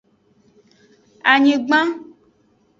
Anyigban.